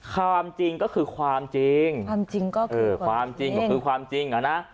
ความจริงก็คือความจริงความจริงก็คือความจริงก็คือความจริงอ่ะนะ